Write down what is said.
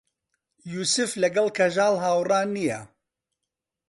یووسف لەگەڵ کەژاڵ هاوڕا نییە.